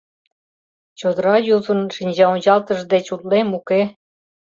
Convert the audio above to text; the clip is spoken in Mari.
Чодыра юзын шинчаончалтышыж деч утлем, уке?..